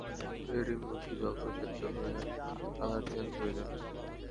এরই মধ্যে জলপাই সেদ্ধ হয়ে কালার চেঞ্জ হয়ে যাবে।